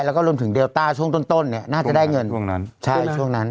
แล้วก็รวมถึงเดลต้าช่วงต้นต้นเนี่ยน่าจะได้เงินช่วงนั้นใช่ช่วงนั้น